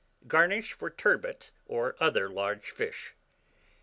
GARNISH FOR TURBOT OR OTHER LARGE FISH.